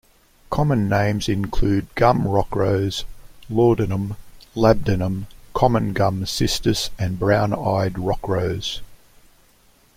Common names include gum rockrose, laudanum, labdanum, common gum cistus, and brown-eyed rockrose.